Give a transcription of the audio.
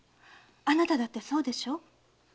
あなただってそうでしょ？